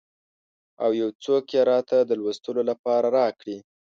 او یو څوک یې راته د لوستلو لپاره راکړي.